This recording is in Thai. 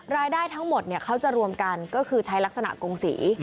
รายได้ทั้งหมดเขาจะรวมกันก็คือใช้ลักษณะกงศรี